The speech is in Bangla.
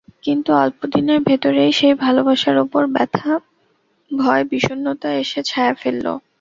কিন্তু অল্পদিনের ভেতরেই সেই ভালোবাসার ওপর ব্যথা, ভয়, বিষন্নতা এসে ছায়া ফেলল।